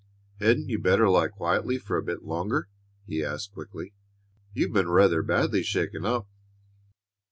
"Hadn't you better lie quietly for a bit longer?" he asked quickly. "You've been rather badly shaken up."